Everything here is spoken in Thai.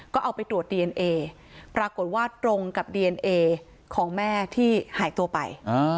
ก็เอาไปตรวจดีเอนเอปรากฏว่าตรงกับดีเอนเอของแม่ที่หายตัวไป